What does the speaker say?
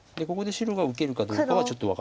ここで白が受けるかどうかは。